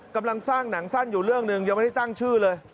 กำลังสร้างหนังสั้นอยู่เรื่องหนึ่งยังไม่ได้ตั้งชื่อเลย